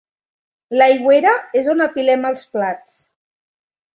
L'aigüera és on apilem els plats.